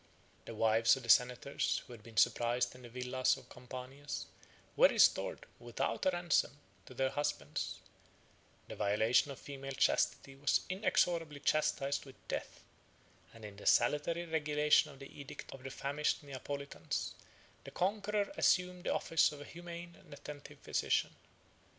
The wives of the senators, who had been surprised in the villas of Campania, were restored, without a ransom, to their husbands; the violation of female chastity was inexorably chastised with death; and in the salutary regulation of the edict of the famished Neapolitans, the conqueror assumed the office of a humane and attentive physician.